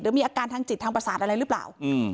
มีอาการทางจิตทางประสาทอะไรหรือเปล่า